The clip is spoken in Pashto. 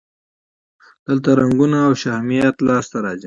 دلته رنګونه او شهمیات لاسته راځي.